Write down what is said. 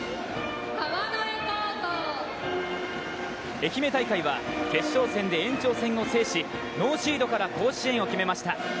愛媛大会は決勝戦で延長戦を制し、ノーシードから甲子園を決めました。